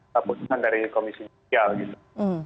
keputusan dari komisi judisial gitu